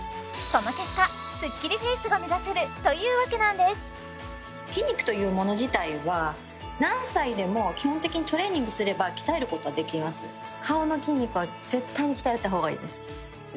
その結果スッキリフェイスが目指せるというわけなんです筋肉というもの自体は何歳でも基本的にトレーニングすれば鍛えることはできますそうなんですよ